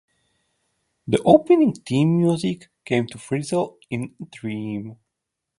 The opening theme music came to Frizzell in a dream.